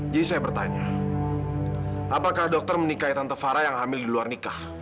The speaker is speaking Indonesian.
jadi saya bertanya apakah dokter menikahi tante farah yang hamil di luar nikah